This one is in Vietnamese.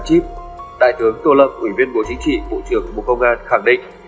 chip đại tướng tô lâm ủy viên bộ chính trị bộ trưởng bộ công an khẳng định